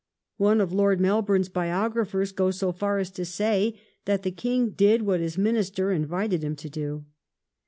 One of Lord Melbourne's biographei s goes so far as to say that " the King did what his Minister invited him to do